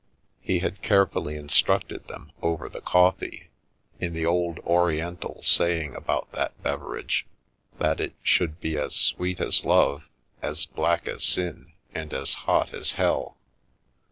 He had carefully instructed them, over the coffee, in the old Oriental saying about that beverage — that it should be " as sweet as love, as black as sin, and as hot as hell."